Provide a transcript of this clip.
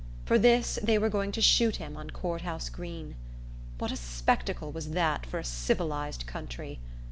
For this they were going to shoot him on Court House Green. What a spectacle was that for a civilized country!